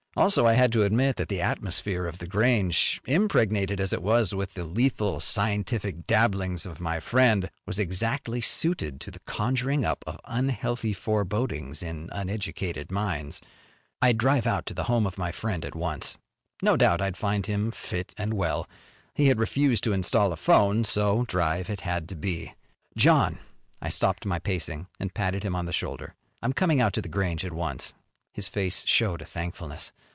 Also, I had to admit that the atmosphere of The Grange, impregnated as it was with the lethal scientific dabblings of my friend, was exactly suited to the conjuring up of unhealthy forebodings in uneducated minds. I'd drive out to the home of my friend at once. No doubt I'd find him fit and well. He had refused to install a phone, so drive it had to be. "John." I stopped my pacing and patted him on the shoulder. "I'm coming out to The Grange at once." His face showed his thankfulness.